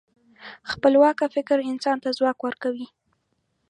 خپلواکه فکر انسان ته ځواک ورکوي.